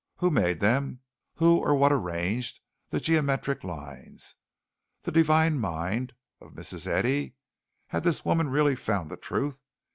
Who made them? Who or what arranged the geometric lines? The "Divine Mind" of Mrs. Eddy? Had this woman really found the truth?